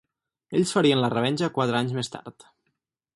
Ells farien la revenja quatre anys més tard.